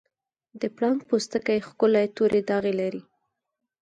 د پړانګ پوستکی ښکلي تورې داغې لري.